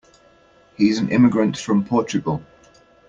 He's an immigrant from Portugal.